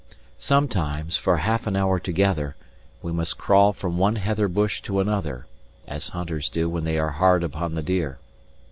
Sometimes, for half an hour together, we must crawl from one heather bush to another, as hunters do when they are hard upon the deer.